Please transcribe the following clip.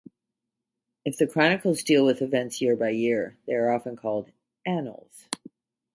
If the chronicles deal with events year by year, they are often called annals.